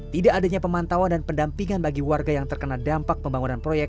tidak adanya pemantauan dan pendampingan bagi warga yang terkena dampak pembangunan proyek